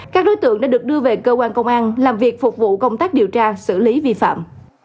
các đối tượng đã được đưa về cơ quan công an làm việc phục vụ công tác điều tra xử lý vi phạm